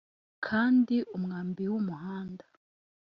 kandi umwambi wumuhanda